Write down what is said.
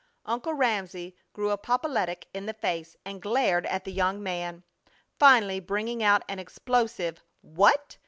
Uncle Ramsey grew apoplectic in the face and glared at the young man, finally bringing out an explosive: "What!